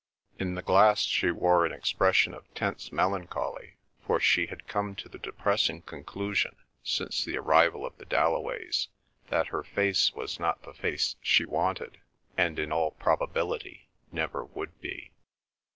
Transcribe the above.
In the glass she wore an expression of tense melancholy, for she had come to the depressing conclusion, since the arrival of the Dalloways, that her face was not the face she wanted, and in all probability never would be.